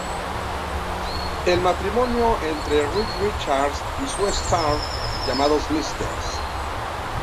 El matrimonio entre Reed Richards y Sue Storm, llamados Mr.